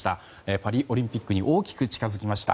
パリオリンピックに大きく近づきました。